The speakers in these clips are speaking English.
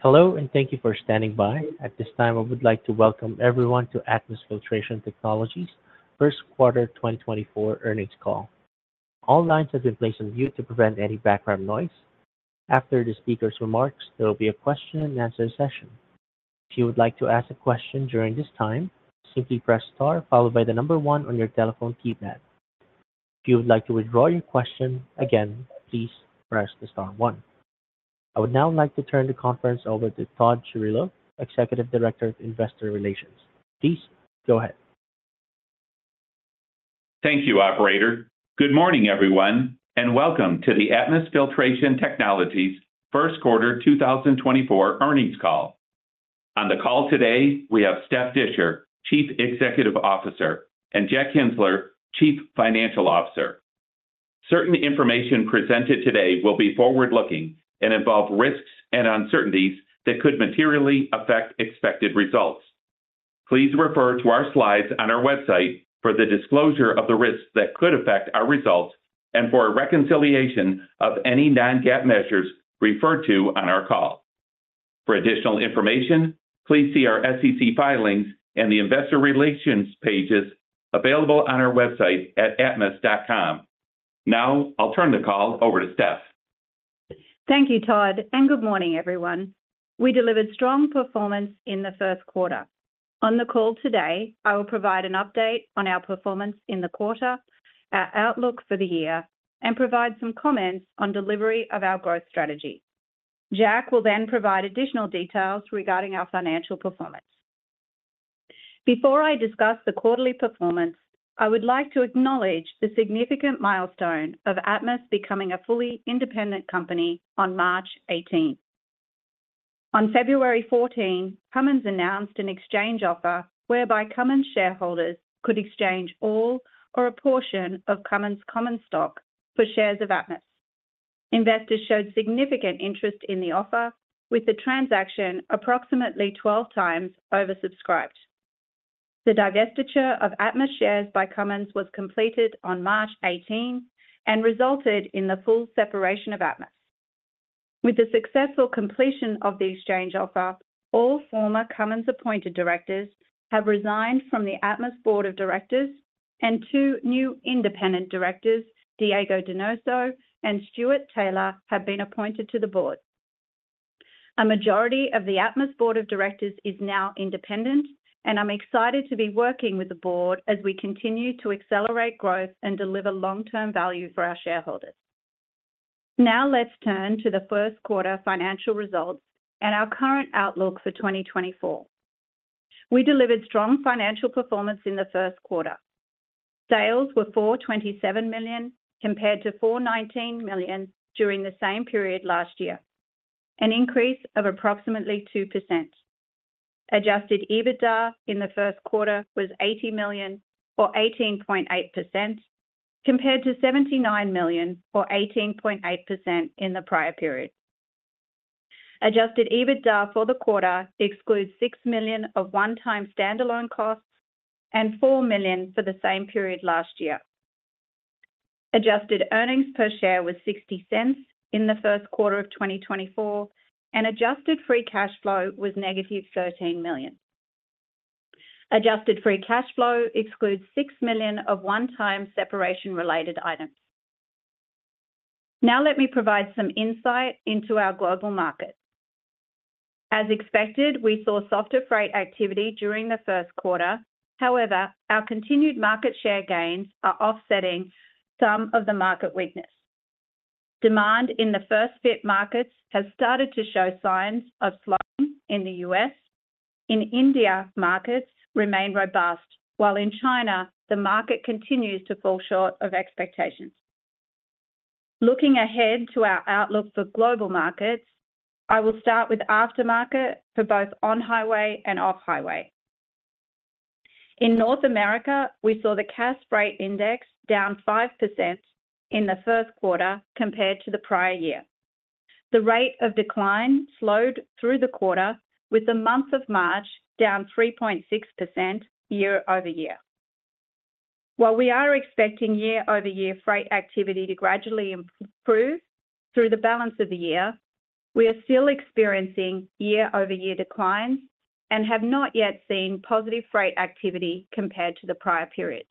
Hello and thank you for standing by. At this time, I would like to welcome everyone to Atmus Filtration Technologies' Q1 2024 earnings call. All lines have been placed on mute to prevent any background noise. After the speaker's remarks, there will be a Q&A session. If you would like to ask a question during this time, simply press star followed by the number 1 on your telephone keypad. If you would like to withdraw your question, again, please press the star 1. I would now like to turn the conference over to Todd Chirillo, Executive Director of Investor Relations. Please go ahead. Thank you, operator. Good morning, everyone, and welcome to the Atmus Filtration Technologies' Q1 2024 earnings call. On the call today, we have Steph Disher, Chief Executive Officer, and Jack Kienzler, Chief Financial Officer. Certain information presented today will be forward-looking and involve risks and uncertainties that could materially affect expected results. Please refer to our slides on our website for the disclosure of the risks that could affect our results and for a reconciliation of any non-GAAP measures referred to on our call. For additional information, please see our SEC filings and the investor relations pages available on our website at atmus.com. Now I'll turn the call over to Steph. Thank you, Todd, and good morning, everyone. We delivered strong performance in the Q1. On the call today, I will provide an update on our performance in the quarter, our outlook for the year, and provide some comments on delivery of our growth strategy. Jack will then provide additional details regarding our financial performance. Before I discuss the quarterly performance, I would like to acknowledge the significant milestone of Atmus becoming a fully independent company on 18 March. On 14 February, Cummins announced an exchange offer whereby Cummins shareholders could exchange all or a portion of Cummins Common Stock for shares of Atmus. Investors showed significant interest in the offer, with the transaction approximately 12x oversubscribed. The divestiture of Atmus shares by Cummins was completed on 18 March and resulted in the full separation of Atmus. With the successful completion of the exchange offer, all former Cummins-appointed directors have resigned from the Atmus Board of Directors, and two new independent directors, Diego Donoso and Stuart Taylor, have been appointed to the board. A majority of the Atmus Board of Directors is now independent, and I'm excited to be working with the board as we continue to accelerate growth and deliver long-term value for our shareholders. Now let's turn to the Q1 financial results and our current outlook for 2024. We delivered strong financial performance in the Q1. Sales were $427 million compared to $419 million during the same period last year, an increase of approximately 2%. Adjusted EBITDA in the Q1 was $80 million or 18.8% compared to $79 million or 18.8% in the prior period. Adjusted EBITDA for the quarter excludes $6 million of one-time standalone costs and $4 million for the same period last year. Adjusted earnings per share was $0.60 in the Q1 2024, and adjusted free cash flow was -$13 million. Adjusted free cash flow excludes $6 million of one-time separation-related items. Now let me provide some insight into our global market. As expected, we saw softer freight activity during the Q1. However, our continued market share gains are offsetting some of the market weakness. Demand in the first-fit markets has started to show signs of slowing in the US In India, markets remain robust, while in China, the market continues to fall short of expectations. Looking ahead to our outlook for global markets, I will start with aftermarket for both on-highway and off-highway. In North America, we saw the Cass Freight Index down 5% in the Q1 compared to the prior year. The rate of decline slowed through the quarter, with the month of March down 3.6% year-over-year. While we are expecting year-over-year freight activity to gradually improve through the balance of the year, we are still experiencing year-over-year declines and have not yet seen positive freight activity compared to the prior periods.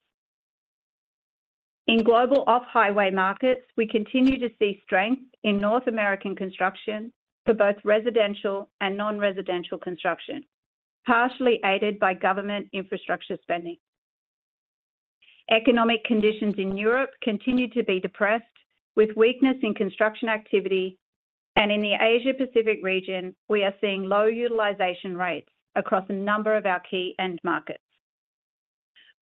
In global off-highway markets, we continue to see strength in North American construction for both residential and non-residential construction, partially aided by government infrastructure spending. Economic conditions in Europe continue to be depressed, with weakness in construction activity, and in the Asia-Pacific region, we are seeing low utilization rates across a number of our key end markets.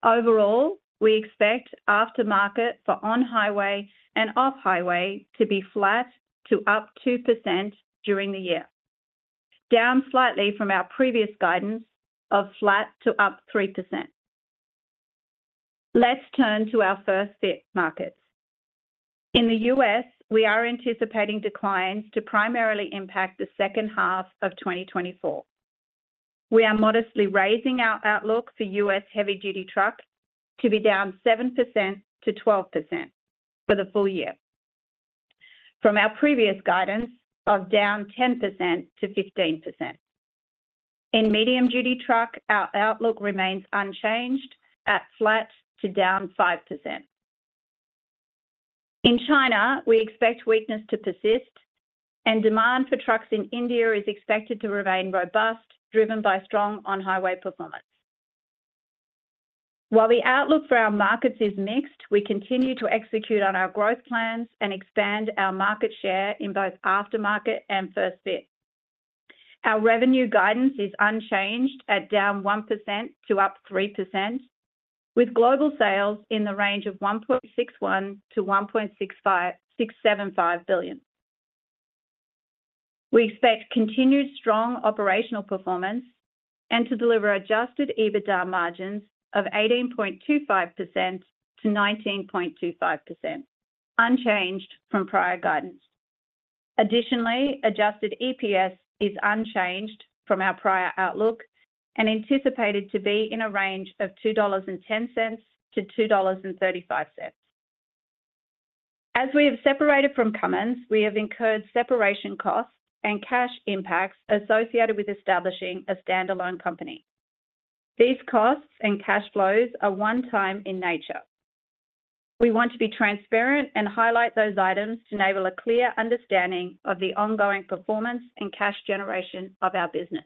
Overall, we expect aftermarket for on-highway and off-highway to be flat to up 2% during the year, down slightly from our previous guidance of flat to up 3%. Let's turn to our first-fit markets. In the US, we are anticipating declines to primarily impact the H2 2024. We are modestly raising our outlook for US heavy-duty truck to be down 7% to 12% for the full year, from our previous guidance of down 10% to 15%. In medium-duty truck, our outlook remains unchanged at flat to down 5%. In China, we expect weakness to persist, and demand for trucks in India is expected to remain robust, driven by strong on-highway performance. While the outlook for our markets is mixed, we continue to execute on our growth plans and expand our market share in both aftermarket and first-fit. Our revenue guidance is unchanged at -1% to +3%, with global sales in the range of $1.61 to 1.675 billion. We expect continued strong operational performance and to deliver adjusted EBITDA margins of 18.25% to 19.25%, unchanged from prior guidance. Additionally, adjusted EPS is unchanged from our prior outlook and anticipated to be in a range of $2.10 to 2.35. As we have separated from Cummins, we have incurred separation costs and cash impacts associated with establishing a standalone company. These costs and cash flows are one-time in nature. We want to be transparent and highlight those items to enable a clear understanding of the ongoing performance and cash generation of our business.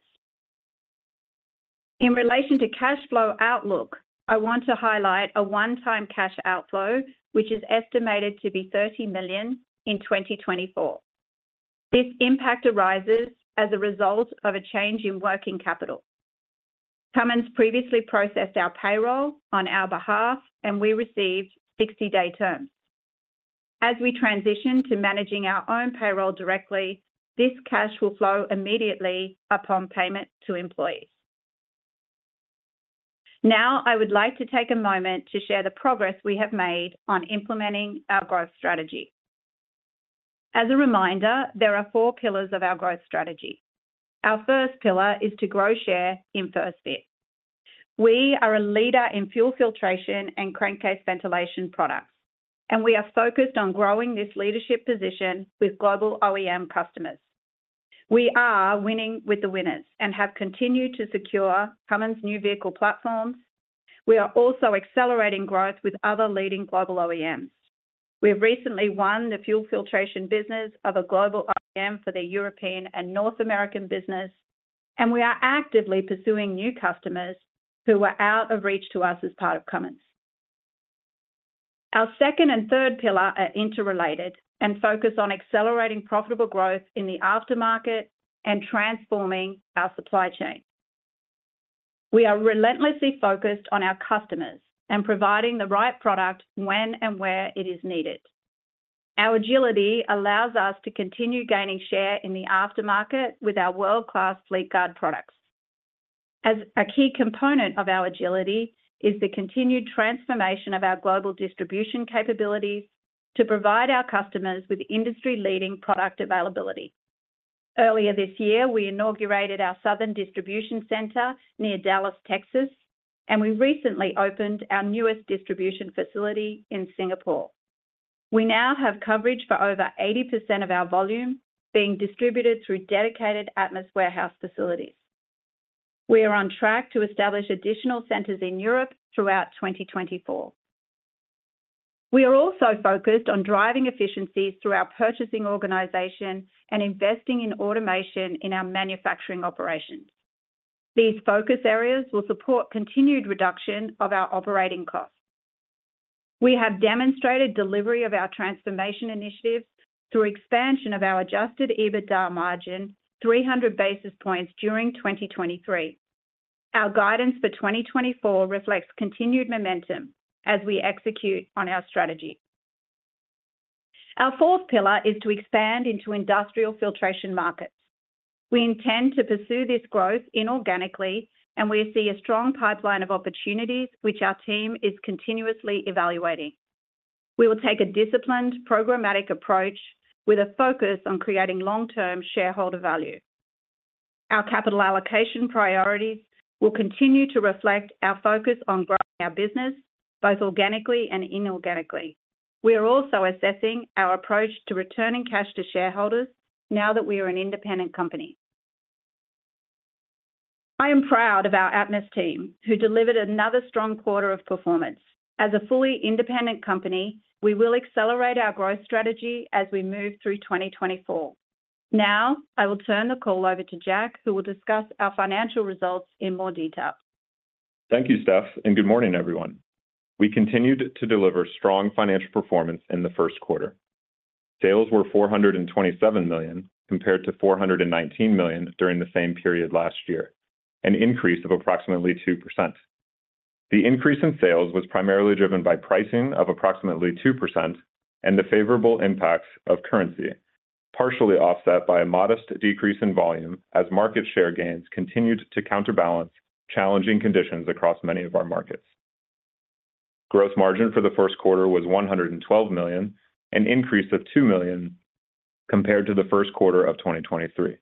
In relation to cash flow outlook, I want to highlight a one-time cash outflow, which is estimated to be $30 million in 2024. This impact arises as a result of a change in working capital. Cummins previously processed our payroll on our behalf, and we received 60-day terms. As we transition to managing our own payroll directly, this cash will flow immediately upon payment to employees. Now I would like to take a moment to share the progress we have made on implementing our growth strategy. As a reminder, there are four pillars of our growth strategy. Our first pillar is to grow share in first-fit. We are a leader in fuel filtration and crankcase ventilation products, and we are focused on growing this leadership position with global OEM customers. We are winning with the winners and have continued to secure Cummins' new vehicle platforms. We are also accelerating growth with other leading global OEMs. We have recently won the fuel filtration business of a global OEM for their European and North American business, and we are actively pursuing new customers who were out of reach to us as part of Cummins. Our second and third pillar are interrelated and focus on accelerating profitable growth in the aftermarket and transforming our supply chain. We are relentlessly focused on our customers and providing the right product when and where it is needed. Our agility allows us to continue gaining share in the aftermarket with our world-class Fleetguard products. A key component of our agility is the continued transformation of our global distribution capabilities to provide our customers with industry-leading product availability. Earlier this year, we inaugurated our southern distribution center near Dallas, Texas, and we recently opened our newest distribution facility in Singapore. We now have coverage for over 80% of our volume being distributed through dedicated Atmus warehouse facilities. We are on track to establish additional centers in Europe throughout 2024. We are also focused on driving efficiencies through our purchasing organization and investing in automation in our manufacturing operations. These focus areas will support continued reduction of our operating costs. We have demonstrated delivery of our transformation initiatives through expansion of our adjusted EBITDA margin 300 basis points during 2023. Our guidance for 2024 reflects continued momentum as we execute on our strategy. Our fourth pillar is to expand into industrial filtration markets. We intend to pursue this growth inorganically, and we see a strong pipeline of opportunities which our team is continuously evaluating. We will take a disciplined, programmatic approach with a focus on creating long-term shareholder value. Our capital allocation priorities will continue to reflect our focus on growing our business both organically and inorganically. We are also assessing our approach to returning cash to shareholders now that we are an independent company. I am proud of our Atmus team who delivered another strong quarter of performance. As a fully independent company, we will accelerate our growth strategy as we move through 2024. Now I will turn the call over to Jack, who will discuss our financial results in more detail. Thank you, Steph, and good morning, everyone. We continued to deliver strong financial performance in the Q1. Sales were $427 million compared to $419 million during the same period last year, an increase of approximately 2%. The increase in sales was primarily driven by pricing of approximately 2% and the favorable impacts of currency, partially offset by a modest decrease in volume as market share gains continued to counterbalance challenging conditions across many of our markets. Gross margin for the Q1 was $112 million, an increase of $2 million compared to the Q1 2023.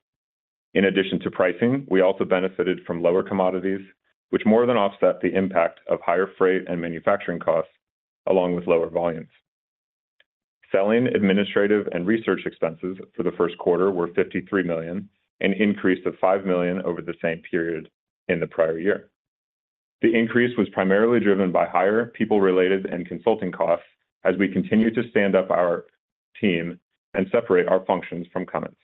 In addition to pricing, we also benefited from lower commodities, which more than offset the impact of higher freight and manufacturing costs along with lower volumes. Selling, administrative, and research expenses for the Q1 were $53 million, an increase of $5 million over the same period in the prior year. The increase was primarily driven by higher people-related and consulting costs as we continued to stand up our team and separate our functions from Cummins.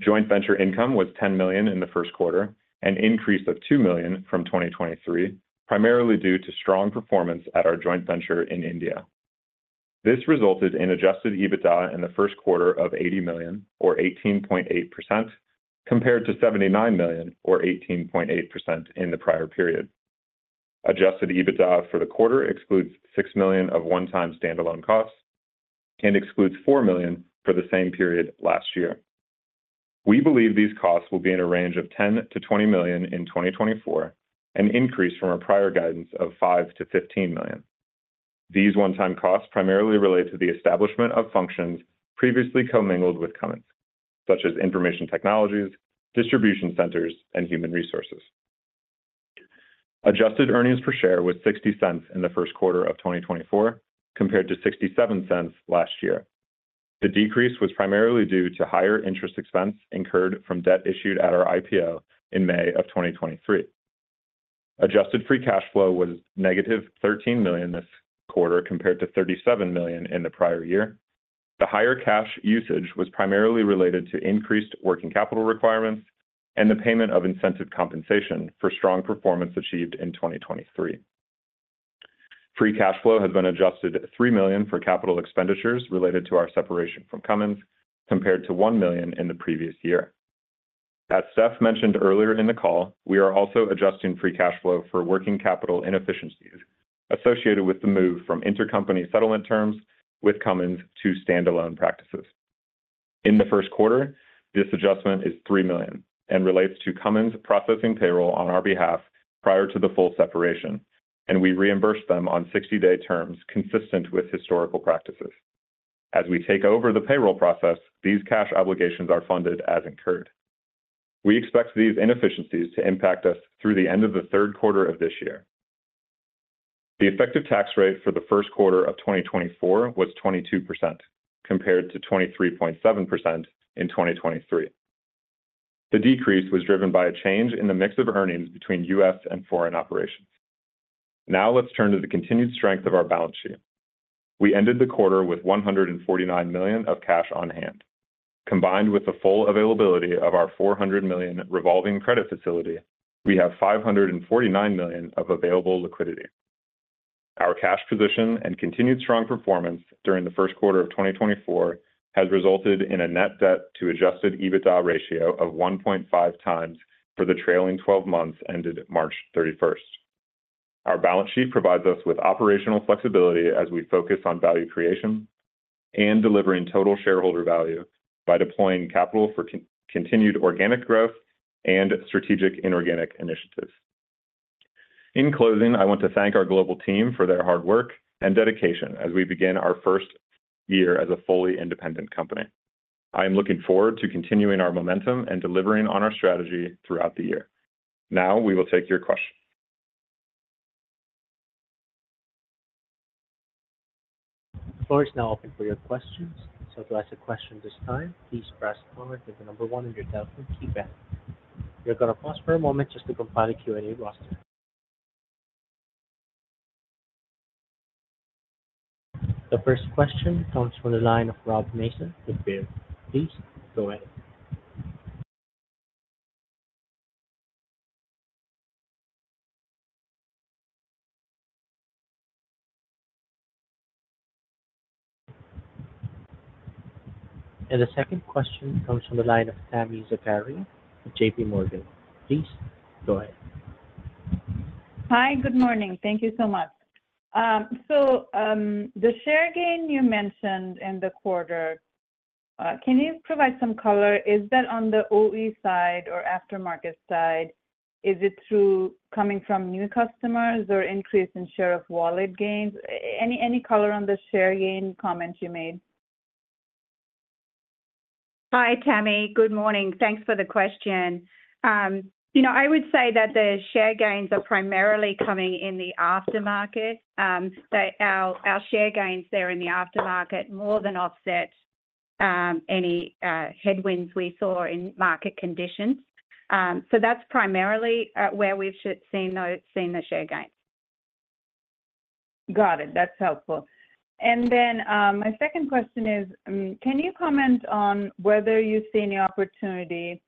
Joint venture income was $10 million in the Q1, an increase of $2 million from 2023, primarily due to strong performance at our joint venture in India. This resulted in adjusted EBITDA in the Q1 of $80 million or 18.8% compared to $79 million or 18.8% in the prior period. Adjusted EBITDA for the quarter excludes $6 million of one-time standalone costs and excludes $4 million for the same period last year. We believe these costs will be in a range of $10 to 20 million in 2024, an increase from our prior guidance of $5 to 15 million. These one-time costs primarily relate to the establishment of functions previously commingled with Cummins, such as information technologies, distribution centers, and human resources. Adjusted earnings per share was $0.60 in the Q1 2024 compared to $0.67 last year. The decrease was primarily due to higher interest expense incurred from debt issued at our IPO in May 2023. Adjusted free cash flow was -$13 million this quarter compared to $37 million in the prior year. The higher cash usage was primarily related to increased working capital requirements and the payment of incentive compensation for strong performance achieved in 2023. Free cash flow has been adjusted $3 million for capital expenditures related to our separation from Cummins compared to $1 million in the previous year. As Steph mentioned earlier in the call, we are also adjusting free cash flow for working capital inefficiencies associated with the move from intercompany settlement terms with Cummins to standalone practices. In the Q1, this adjustment is $3 million and relates to Cummins processing payroll on our behalf prior to the full separation, and we reimbursed them on 60-day terms consistent with historical practices. As we take over the payroll process, these cash obligations are funded as incurred. We expect these inefficiencies to impact us through the end of the Q3 of this year. The effective tax rate for the Q1 2024 was 22% compared to 23.7% in 2023. The decrease was driven by a change in the mix of earnings between US and foreign operations. Now let's turn to the continued strength of our balance sheet. We ended the quarter with $149 million of cash on hand. Combined with the full availability of our $400 million revolving credit facility, we have $549 million of available liquidity. Our cash position and continued strong performance during the Q1 2024 has resulted in a net debt-to-adjusted EBITDA ratio of 1.5x for the trailing 12 months ended 31 March. Our balance sheet provides us with operational flexibility as we focus on value creation and delivering total shareholder value by deploying capital for continued organic growth and strategic inorganic initiatives. In closing, I want to thank our global team for their hard work and dedication as we begin our first year as a fully independent company. I am looking forward to continuing our momentum and delivering on our strategy throughout the year. Now we will take your questions. Floor is now open for your questions. So to ask a question this time, please press star and give the number one on your telephone keypad. We're going to pause for a moment just to compile a Q&A roster. The first question comes from the line of Rob Mason with Baird. Please go ahead. The second question comes from the line of Tami Zakaria with JPMorgan. Please go ahead. Hi. Good morning. Thank you so much. The share gain you mentioned in the quarter, can you provide some color? Is that on the OE side or aftermarket side? Is it coming from new customers or increase in share of wallet gains? Any color on the share gain comments you made? Hi, Tami. Good morning. Thanks for the question. I would say that the share gains are primarily coming in the aftermarket. Our share gains there in the aftermarket more than offset any headwinds we saw in market conditions. So that's primarily where we've seen the share gains. Got it. That's helpful. And then my second question is, can you comment on whether you've seen the opportunity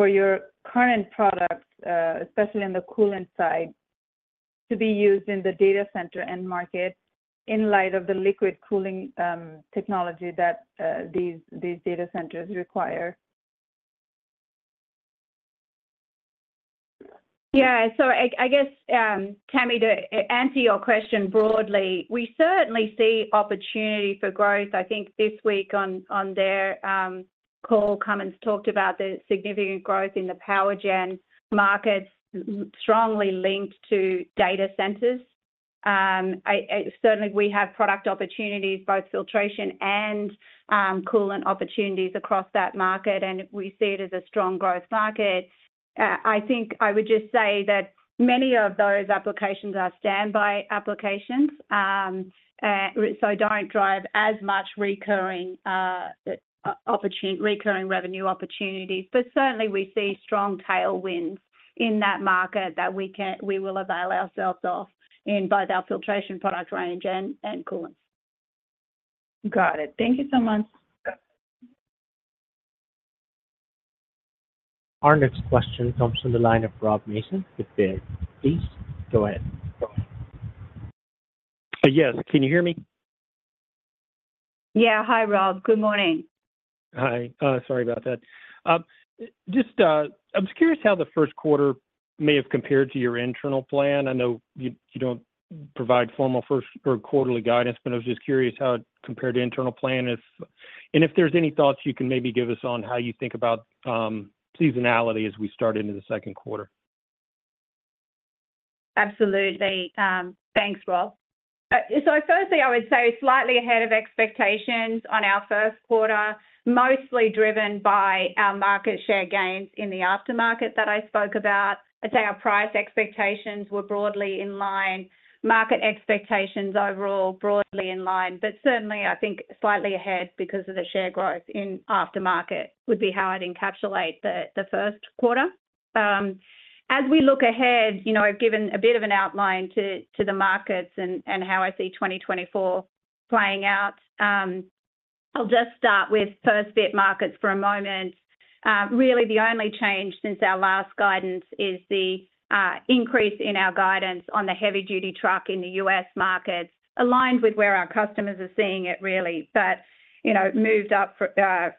for your current product, especially in the coolant side, to be used in the data center end market in light of the liquid cooling technology that these data centers require? Yeah. So I guess, Tami, to answer your question broadly, we certainly see opportunity for growth. I think this week on their call, Cummins talked about the significant growth in the power gen markets strongly linked to data centers. Certainly, we have product opportunities, both filtration and coolant opportunities, across that market, and we see it as a strong growth market. I think I would just say that many of those applications are standby applications, so don't drive as much recurring revenue opportunities. But certainly, we see strong tailwinds in that market that we will avail ourselves of in both our filtration product range and coolants. Got it. Thank you so much. Our next question comes from the line of Rob Mason with Baird. Please go ahead. Yes. Can you hear me? Yeah. Hi, Rob. Good morning. Hi. Sorry about that. I'm just curious how the Q1 may have compared to your internal plan. I know you don't provide formal quarterly guidance, but I was just curious how it compared to internal plan. And if there's any thoughts you can maybe give us on how you think about seasonality as we start into the Q2? Absolutely. Thanks, Rob. So firstly, I would say slightly ahead of expectations on our Q1, mostly driven by our market share gains in the aftermarket that I spoke about. I'd say our price expectations were broadly in line, market expectations overall broadly in line. But certainly, I think slightly ahead because of the share growth in aftermarket would be how I'd encapsulate the Q1. As we look ahead, I've given a bit of an outline to the markets and how I see 2024 playing out. I'll just start with first-fit markets for a moment. Really, the only change since our last guidance is the increase in our guidance on the heavy-duty truck in the US markets, aligned with where our customers are seeing it really, but moved up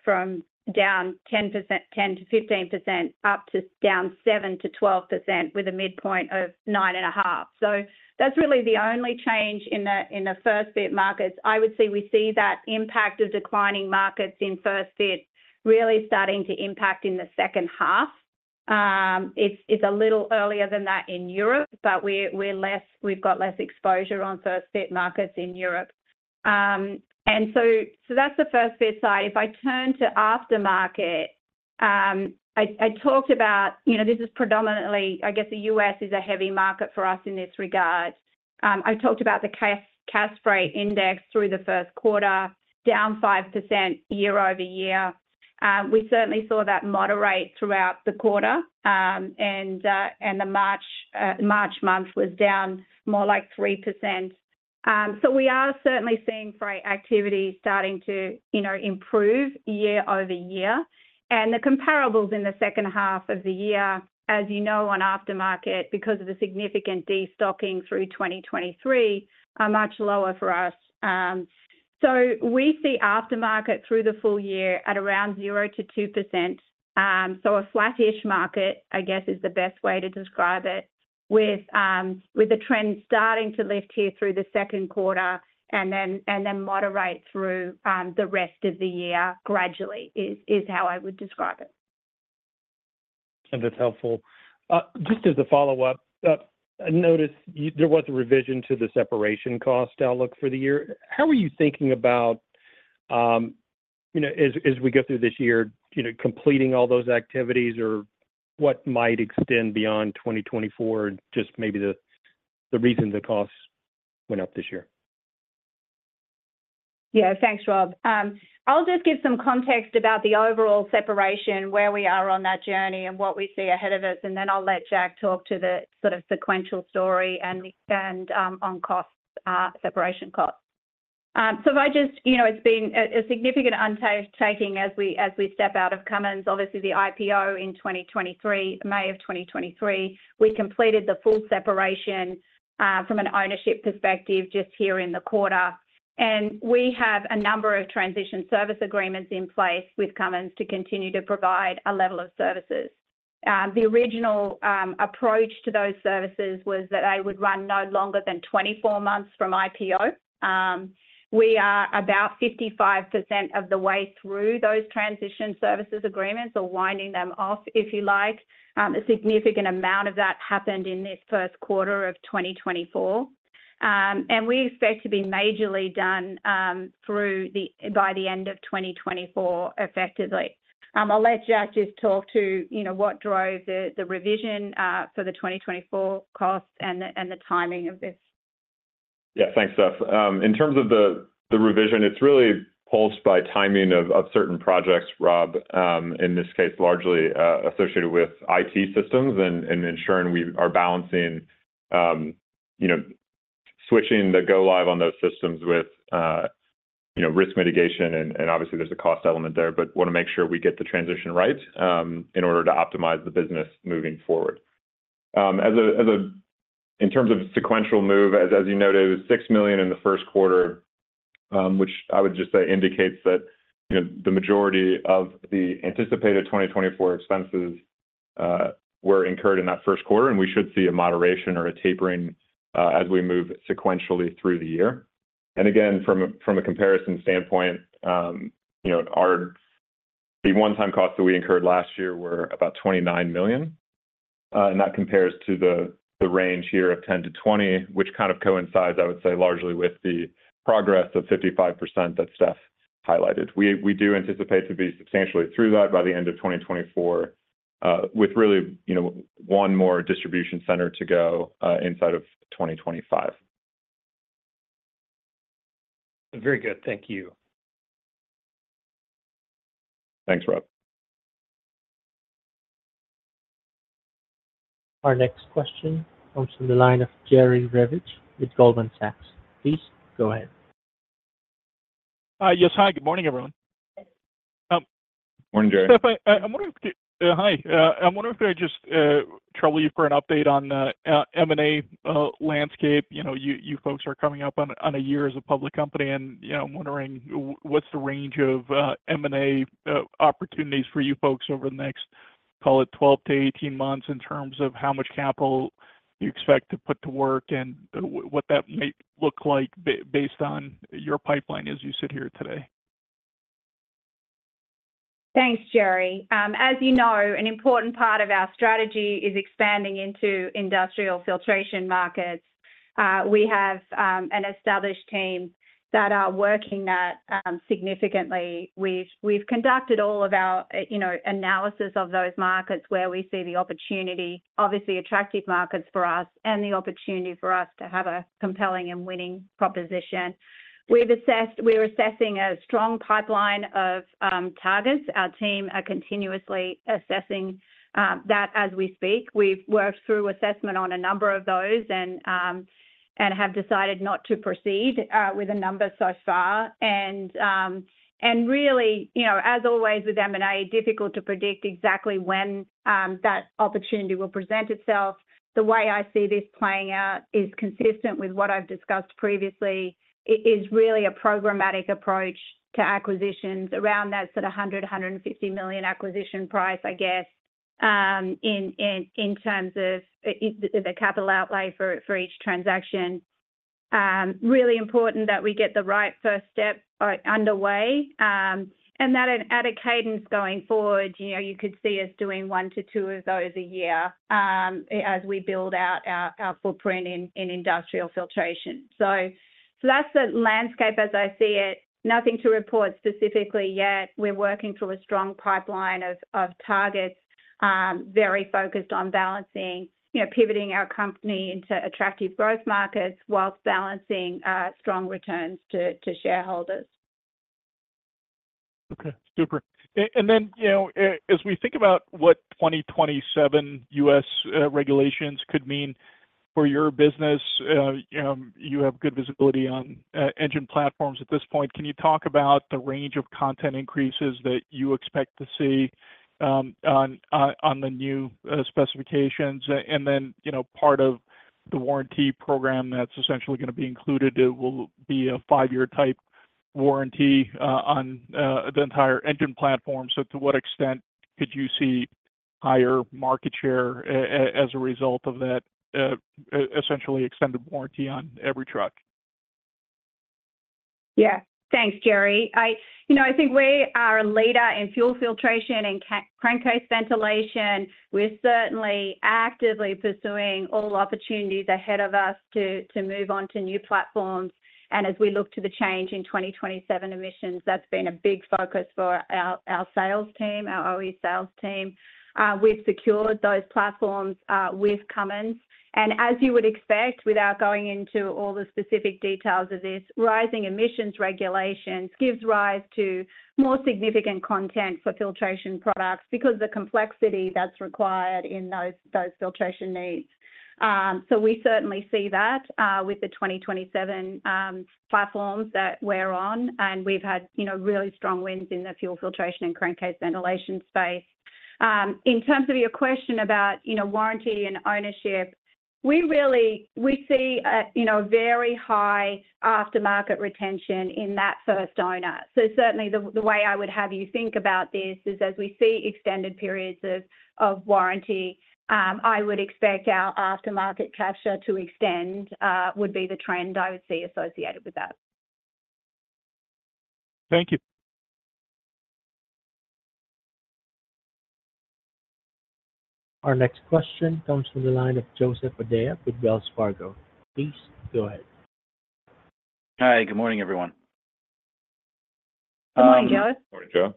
from down 10% to 15% up to down 7% to 12% with a midpoint of 9.5%. So that's really the only change in the first-fit markets. I would say we see that impact of declining markets in first-fit really starting to impact in the H2. It's a little earlier than that in Europe, but we've got less exposure on first-fit markets in Europe. And so that's the first-fit side. If I turn to aftermarket, I talked about this is predominantly, I guess, the US is a heavy market for us in this regard. I talked about the Cass Freight Index through the Q1, down 5% year-over-year. We certainly saw that moderate throughout the quarter, and the March month was down more like 3%. So we are certainly seeing freight activity starting to improve year-over-year. The comparables in the H2 of the year, as you know, on aftermarket, because of the significant destocking through 2023, are much lower for us. So we see aftermarket through the full year at around 0% to 2%. So a flattish market, I guess, is the best way to describe it, with the trend starting to lift here through the Q2 and then moderate through the rest of the year gradually is how I would describe it. That's helpful. Just as a follow-up, I noticed there was a revision to the separation cost outlook for the year. How are you thinking about, as we go through this year, completing all those activities, or what might extend beyond 2024 and just maybe the reason the costs went up this year? Yeah. Thanks, Rob. I'll just give some context about the overall separation, where we are on that journey, and what we see ahead of us. Then I'll let Jack talk to the sort of sequential story and on separation costs. It's been a significant undertaking as we step out of Cummins. Obviously, the IPO in May 2023, we completed the full separation from an ownership perspective just here in the quarter. We have a number of Transition Services Agreements in place with Cummins to continue to provide a level of services. The original approach to those services was that they would run no longer than 24 months from IPO. We are about 55% of the way through those Transition Services Agreements or winding them off, if you like. A significant amount of that happened in this Q1 2024. We expect to be majorly done by the end of 2024 effectively. I'll let Jack just talk to what drove the revision for the 2024 costs and the timing of this. Yeah. Thanks, Steph. In terms of the revision, it's really pushed by timing of certain projects, Rob, in this case, largely associated with IT systems and ensuring we are balancing switching the go-live on those systems with risk mitigation. And obviously, there's a cost element there, but want to make sure we get the transition right in order to optimize the business moving forward. In terms of sequential move, as you noted, it was $6 million in the Q1, which I would just say indicates that the majority of the anticipated 2024 expenses were incurred in that Q1, and we should see a moderation or a tapering as we move sequentially through the year. And again, from a comparison standpoint, the one-time costs that we incurred last year were about $29 million. That compares to the range here of 10% to 20%, which kind of coincides, I would say, largely with the progress of 55% that Steph highlighted. We do anticipate to be substantially through that by the end of 2024 with really one more distribution center to go inside of 2025. Very good. Thank you. Thanks, Rob. Our next question comes from the line of Jerry Revich with Goldman Sachs. Please go ahead. Yes. Hi. Good morning, everyone. Morning, Jerry. Steph, I'm wondering if I could just trouble you for an update on the M&A landscape. You folks are coming up on a year as a public company, and I'm wondering what's the range of M&A opportunities for you folks over the next, call it, 12-18 months in terms of how much capital you expect to put to work and what that might look like based on your pipeline as you sit here today. Thanks, Jerry. As you know, an important part of our strategy is expanding into industrial filtration markets. We have an established team that are working that significantly. We've conducted all of our analysis of those markets where we see the opportunity, obviously, attractive markets for us and the opportunity for us to have a compelling and winning proposition. We're assessing a strong pipeline of targets. Our team are continuously assessing that as we speak. We've worked through assessment on a number of those and have decided not to proceed with a number so far. And really, as always with M&A, difficult to predict exactly when that opportunity will present itself. The way I see this playing out is consistent with what I've discussed previously. It is really a programmatic approach to acquisitions around that sort of $100 to 150 million acquisition price, I guess, in terms of the capital outlay for each transaction. Really important that we get the right first step underway and that at a cadence going forward, you could see us doing 1-2 of those a year as we build out our footprint in industrial filtration. So that's the landscape as I see it. Nothing to report specifically yet. We're working through a strong pipeline of targets, very focused on balancing, pivoting our company into attractive growth markets whilst balancing strong returns to shareholders. Okay. Super. And then as we think about what 2027 US regulations could mean for your business, you have good visibility on engine platforms at this point. Can you talk about the range of content increases that you expect to see on the new specifications? And then part of the warranty program that's essentially going to be included, it will be a five-year type warranty on the entire engine platform. So to what extent could you see higher market share as a result of that essentially extended warranty on every truck? Yes. Thanks, Jerry. I think we are a leader in fuel filtration and crankcase ventilation. We're certainly actively pursuing all opportunities ahead of us to move on to new platforms. As we look to the change in 2027 emissions, that's been a big focus for our sales team, our OE sales team. We've secured those platforms with Cummins. As you would expect, without going into all the specific details of this, rising emissions regulations give rise to more significant content for filtration products because of the complexity that's required in those filtration needs. We certainly see that with the 2027 platforms that we're on. We've had really strong wins in the fuel filtration and crankcase ventilation space. In terms of your question about warranty and ownership, we see a very high aftermarket retention in that first owner. Certainly, the way I would have you think about this is, as we see extended periods of warranty, I would expect our aftermarket capture to extend would be the trend I would see associated with that. Thank you. Our next question comes from the line of Joseph O'Dea with Wells Fargo. Please go ahead. Hi. Good morning, everyone. Good morning, Joe. Morning, Joe.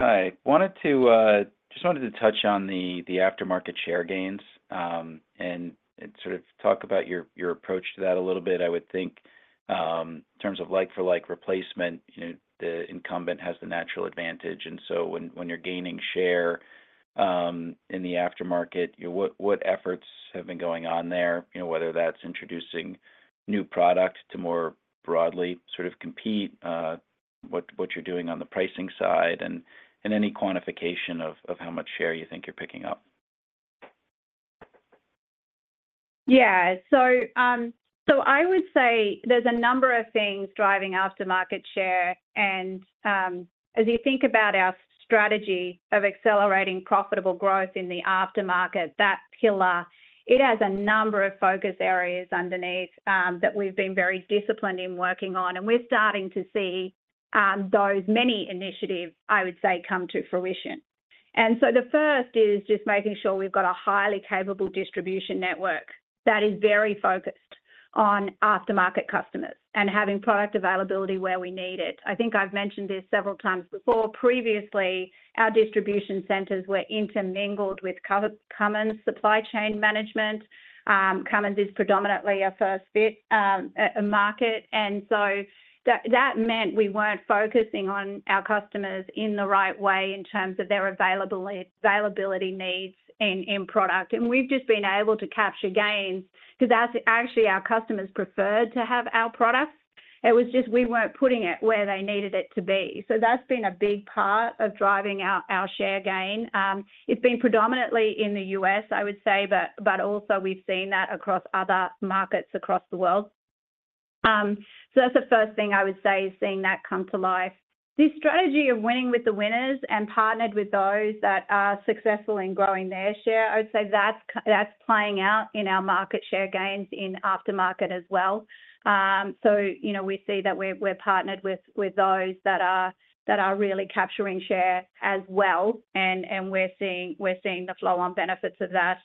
Hi. Just wanted to touch on the aftermarket share gains and sort of talk about your approach to that a little bit. I would think in terms of like-for-like replacement, the incumbent has the natural advantage. And so when you're gaining share in the aftermarket, what efforts have been going on there, whether that's introducing new product to more broadly sort of compete, what you're doing on the pricing side, and any quantification of how much share you think you're picking up? Yeah. So I would say there's a number of things driving aftermarket share. And as you think about our strategy of accelerating profitable growth in the aftermarket, that pillar, it has a number of focus areas underneath that we've been very disciplined in working on. And we're starting to see those many initiatives, I would say, come to fruition. And so the first is just making sure we've got a highly capable distribution network that is very focused on aftermarket customers and having product availability where we need it. I think I've mentioned this several before. Previously, our distribution centers were intermingled with Cummins supply chain management. Cummins is predominantly a first-fit market. And so that meant we weren't focusing on our customers in the right way in terms of their availability needs in product. We've just been able to capture gains because actually, our customers preferred to have our products. It was just we weren't putting it where they needed it to be. So that's been a big part of driving our share gain. It's been predominantly in the US, I would say, but also we've seen that across other markets across the world. So that's the first thing I would say is seeing that come to life. This strategy of winning with the winners and partnered with those that are successful in growing their share, I would say that's playing out in our market share gains in aftermarket as well. So we see that we're partnered with those that are really capturing share as well, and we're seeing the flow-on benefits of that.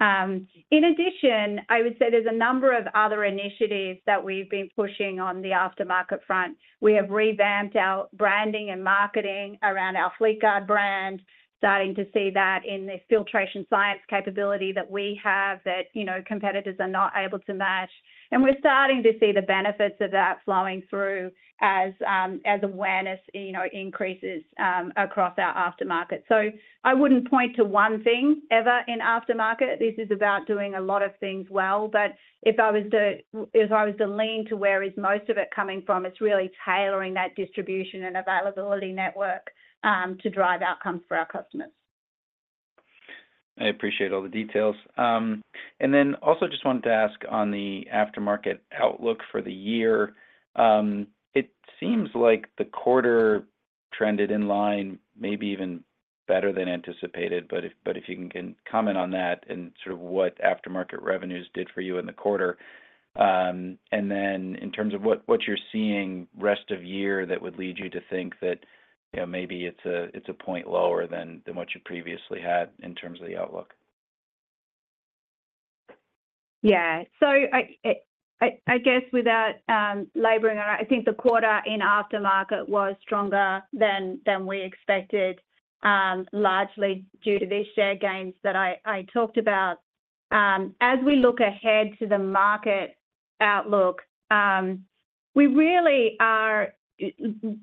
In addition, I would say there's a number of other initiatives that we've been pushing on the aftermarket front. We have revamped our branding and marketing around our Fleetguard brand, starting to see that in the filtration science capability that we have that competitors are not able to match. And we're starting to see the benefits of that flowing through as awareness increases across our aftermarket. So I wouldn't point to one thing ever in aftermarket. This is about doing a lot of things well. But if I was to lean to where is most of it coming from, it's really tailoring that distribution and availability network to drive outcomes for our customers. I appreciate all the details. And then also just wanted to ask on the aftermarket outlook for the year. It seems like the quarter trended in line, maybe even better than anticipated. But if you can comment on that and sort of what aftermarket revenues did for you in the quarter. And then in terms of what you're seeing rest of year that would lead you to think that maybe it's a point lower than what you previously had in terms of the outlook. Yeah. So I guess without laboring on it, I think the quarter in aftermarket was stronger than we expected, largely due to these share gains that I talked about. As we look ahead to the market outlook, we really are,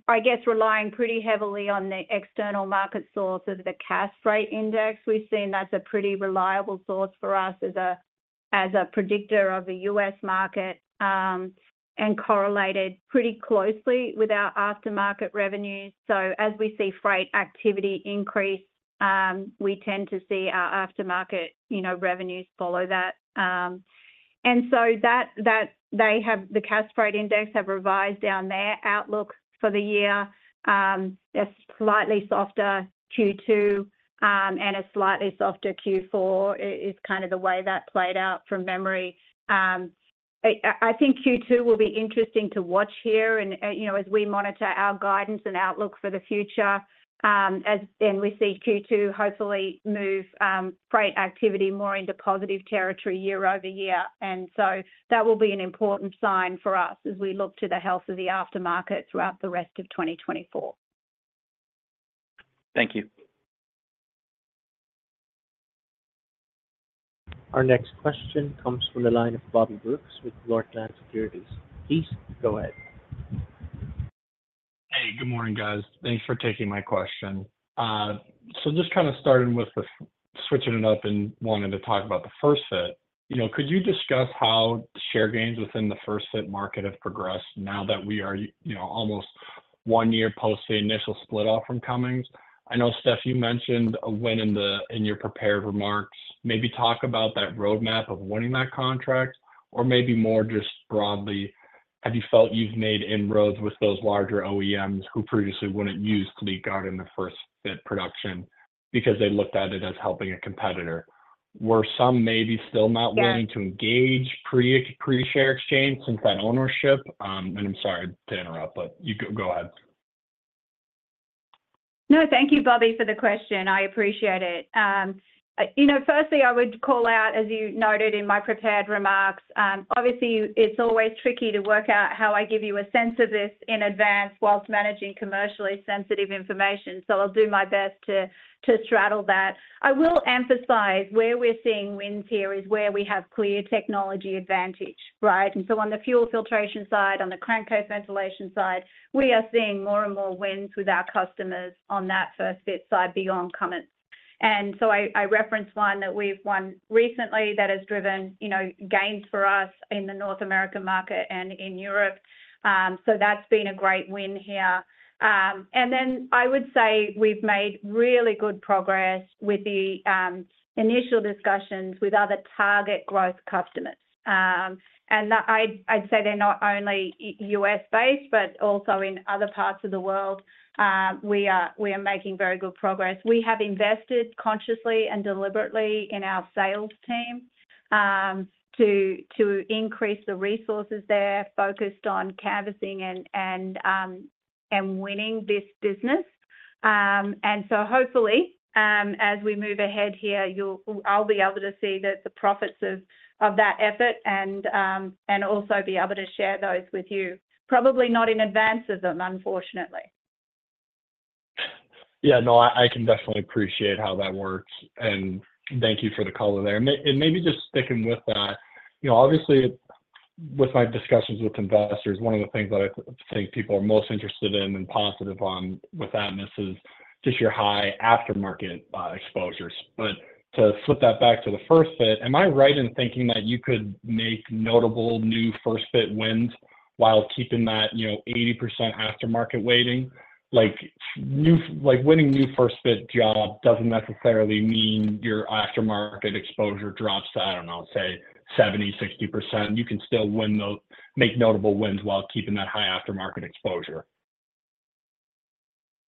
I guess, relying pretty heavily on the external market source of the Cass Freight Index. We've seen that's a pretty reliable source for us as a predictor of the US market and correlated pretty closely with our aftermarket revenues. So as we see freight activity increase, we tend to see our aftermarket revenues follow that. And so the Cass Freight Index have revised down their outlook for the year. They're slightly softer Q2 and a slightly softer Q4 is kind of the way that played out from memory. I think Q2 will be interesting to watch here as we monitor our guidance and outlook for the future. And we see Q2 hopefully move freight activity more into positive territory year-over-year. And so that will be an important sign for us as we look to the health of the aftermarket throughout the rest of 2024. Thank you. Our next question comes from the line of Bobby Brooks with Northland Securities. Please go ahead. Hey. Good morning, guys. Thanks for taking my question. So just kind of starting with switching it up and wanting to talk about the first-fit. Could you discuss how share gains within the first-fit market have progressed now that we are almost one year post the initial split-off from Cummins? I know, Steph, you mentioned a win in your prepared remarks. Maybe talk about that roadmap of winning that contract, or maybe more just broadly, have you felt you've made inroads with those larger OEMs who previously wouldn't use Fleetguard in the first-fit production because they looked at it as helping a competitor? Were some maybe still not Yeah willing to engage pre-share exchange since that ownership? And I'm sorry to interrupt, but you go ahead. No, thank you, Bobby, for the question. I appreciate it. Firstly, I would call out, as you noted in my prepared remarks, obviously, it's always tricky to work out how I give you a sense of this in advance while managing commercially sensitive information. So I'll do my best to straddle that. I will emphasize where we're seeing wins here is where we have clear technology advantage, right? And so on the fuel filtration side, on the crankcase ventilation side, we are seeing more and more wins with our customers on that first-fit side beyond Cummins. And so I referenced one that we've won recently that has driven gains for us in the North American market and in Europe. So that's been a great win here. And then I would say we've made really good progress with the initial discussions with other target growth customers. I'd say they're not only US-based, but also in other parts of the world. We are making very good progress. We have invested consciously and deliberately in our sales team to increase the resources there focused on canvassing and winning this business. So hopefully, as we move ahead here, I'll be able to see the profits of that effort and also be able to share those with you, probably not in advance of them, unfortunately. Yeah. No, I can definitely appreciate how that works. And thank you for the color there. And maybe just sticking with that, obviously, with my discussions with investors, one of the things that I think people are most interested in and positive on with Atmus is just your high aftermarket exposures. But to flip that back to the first-fit, am I right in thinking that you could make notable new first-fit wins while keeping that 80% aftermarket weighting? Winning new first-fit job doesn't necessarily mean your aftermarket exposure drops to, I don't know, say, 70%, 60%. You can still make notable wins while keeping that high aftermarket exposure.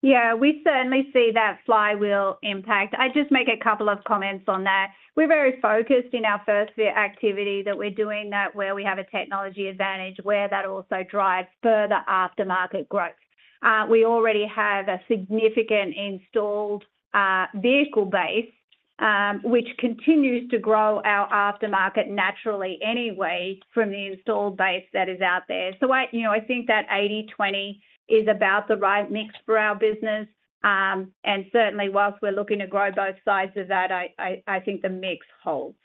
Yeah. We certainly see that flywheel impact. I just make a couple of comments on that. We're very focused in our first-fit activity that we're doing where we have a technology advantage, where that also drives further aftermarket growth. We already have a significant installed vehicle base, which continues to grow our aftermarket naturally anyway from the installed base that is out there. So I think that 80/20 is about the right mix for our business. And certainly, whilst we're looking to grow both sides of that, I think the mix holds.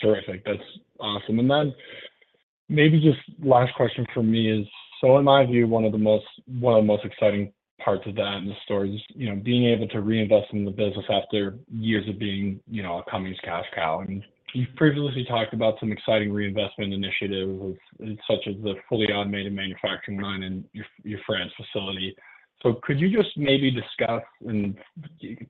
Terrific. That's awesome. And then maybe just last question for me is, so in my view, one of the most exciting parts of the Atmus story is being able to reinvest in the business after years of being a Cummins cash cow. And you've previously talked about some exciting reinvestment initiatives such as the fully automated manufacturing line in your France facility. So could you just maybe discuss, and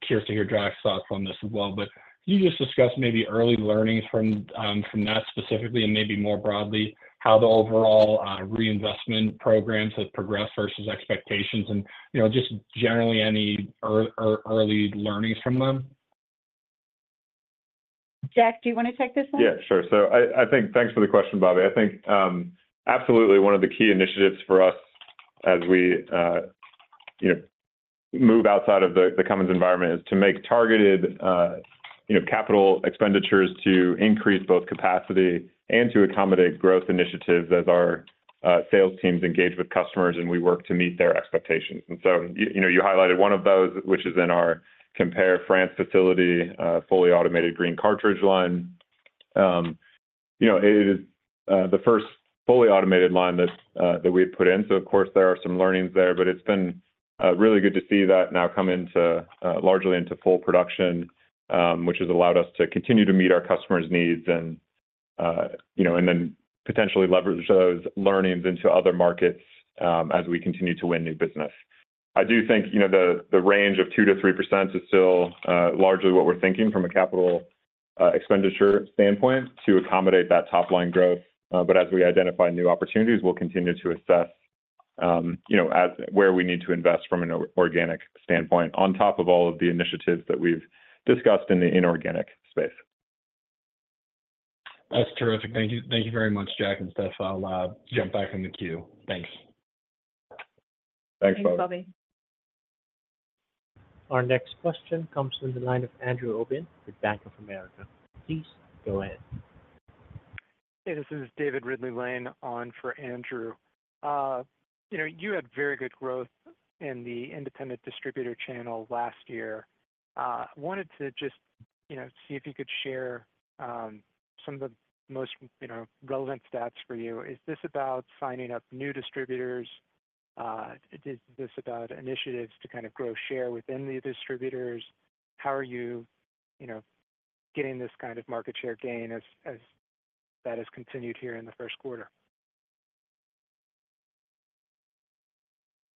curious to hear Disher's thoughts on this as well, but could you just discuss maybe early learnings from that specifically and maybe more broadly, how the overall reinvestment programs have progressed versus expectations and just generally any early learnings from them? Jack, do you want to take this one? Yeah, sure. So I think thanks for the question, Bobby. I think absolutely one of the key initiatives for us as we move outside of the Cummins environment is to make targeted capital expenditures to increase both capacity and to accommodate growth initiatives as our sales teams engage with customers and we work to meet their expectations. And so you highlighted one of those, which is in our Quimper, France facility, fully automated green cartridge line. It is the first fully automated line that we've put in. So of course, there are some learnings there, but it's been really good to see that now come largely into full production, which has allowed us to continue to meet our customers' needs and then potentially leverage those learnings into other markets as we continue to win new business. I do think the range of 2% to 3% is still largely what we're thinking from a capital expenditure standpoint to accommodate that top-line growth. But as we identify new opportunities, we'll continue to assess where we need to invest from an organic standpoint on top of all of the initiatives that we've discussed in the inorganic space. That's terrific. Thank you very much, Jack and Steph. I'll jump back in the queue. Thanks. Thanks, Bobby. Thanks, Bobby. Our next question comes from the line of Andrew Obin with Bank of America. Please go ahead. Hey. This is David Ridley-Lane on for Andrew. You had very good growth in the independent distributor channel last year. I wanted to just see if you could share some of the most relevant stats for you. Is this about signing up new distributors? Is this about initiatives to kind of grow share within the distributors? How are you getting this kind of market share gain as that has continued here in the Q1?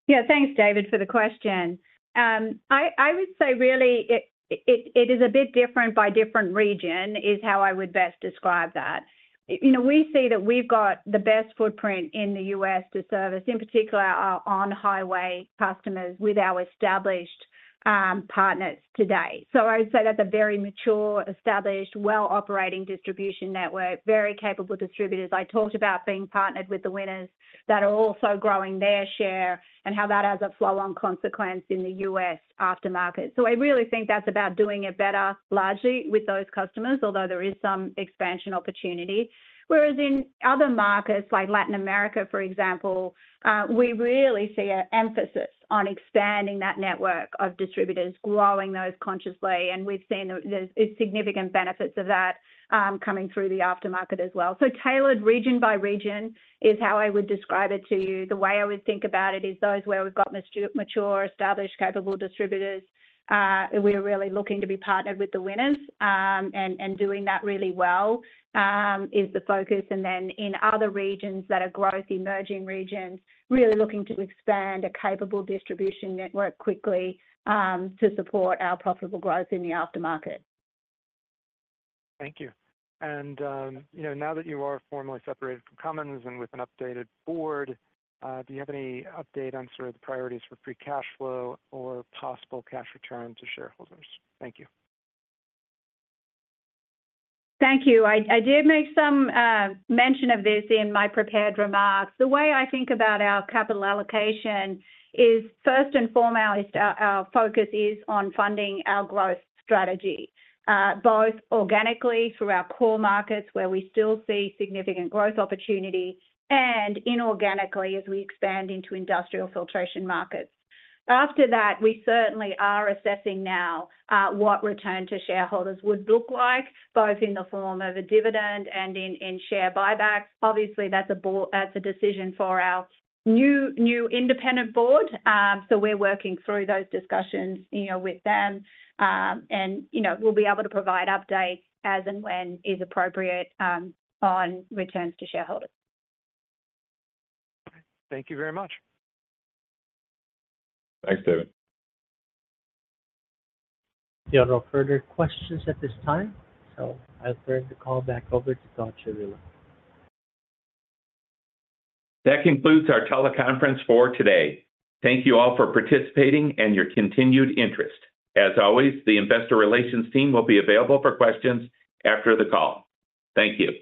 Yeah. Thanks, David, for the question. I would say really it is a bit different by different region is how I would best describe that. We see that we've got the best footprint in the US to service, in particular, our on-highway customers with our established partners today. So I would say that's a very mature, established, well-operating distribution network, very capable distributors. I talked about being partnered with the winners that are also growing their share and how that has a flow-on consequence in the US aftermarket. So I really think that's about doing it better, largely, with those customers, although there is some expansion opportunity. Whereas in other markets like Latin America, for example, we really see an emphasis on expanding that network of distributors, growing those consciously. And we've seen significant benefits of that coming through the aftermarket as well. Tailored region by region is how I would describe it to you. The way I would think about it is those where we've got mature, established, capable distributors. We're really looking to be partnered with the winners. Doing that really well is the focus. Then in other regions that are growth, emerging regions, really looking to expand a capable distribution network quickly to support our profitable growth in the aftermarket. Thank you. Now that you are formally separated from Cummins and with an updated board, do you have any update on sort of the priorities for free cash flow or possible cash return to shareholders? Thank you. Thank you. I did make some mention of this in my prepared remarks. The way I think about our capital allocation is first and foremost, our focus is on funding our growth strategy, both organically through our core markets where we still see significant growth opportunity and inorganically as we expand into industrial filtration markets. After that, we certainly are assessing now what return to shareholders would look like, both in the form of a dividend and in share buybacks. Obviously, that's a decision for our new independent board. So we're working through those discussions with them. And we'll be able to provide updates as and when is appropriate on returns to shareholders. Thank you very much. Thanks, David. Do you have any further questions at this time? I'll turn the call back over to Todd Chirillo. That concludes our teleconference for today. Thank you all for participating and your continued interest. As always, the investor relations team will be available for questions after the call. Thank you.